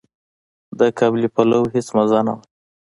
د قابلي پلو هيڅ مزه نه وه.